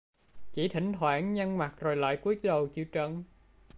Chỉ Thỉnh thoảng nhăn mặt rồi lại cúi đầu chịu trận